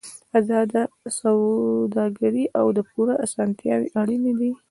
ازاده سوداګري او د پور اسانتیاوې اړین دي.